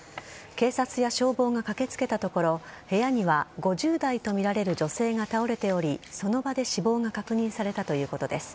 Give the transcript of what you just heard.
警察や消防が駆けつけたところ部屋には５０代とみられる女性が倒れておりその場で死亡が確認されたということです。